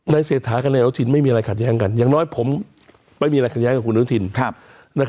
เศรษฐากับนายอนุทินไม่มีอะไรขัดแย้งกันอย่างน้อยผมไม่มีอะไรขัดแย้งกับคุณอนุทิน